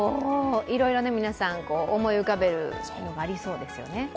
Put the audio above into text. いろいろ皆さん思い浮かべるものがありそうですよね。